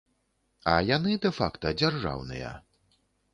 А яны дэ-факта дзяржаўныя.